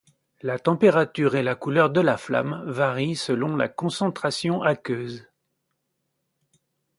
La température et la couleur de la flamme varient selon la concentration aqueuse.